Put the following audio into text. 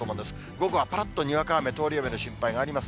午後はぱらっとにわか雨、通り雨の心配があります。